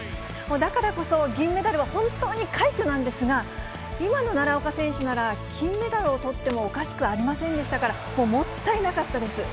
だからこそ、銀メダルは本当に快挙なんですが、今の奈良岡選手なら金メダルをとってもおかしくありませんでしたから、もったいなかったです。